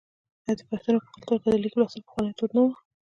آیا د پښتنو په کلتور کې د لیک لوستل پخوانی دود نه و؟